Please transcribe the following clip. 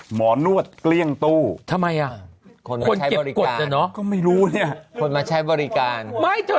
หมอนวดเกลี้ยงตู้ทำไมอ่ะควรเก็บกดเนี้ยเนอะไม่จอด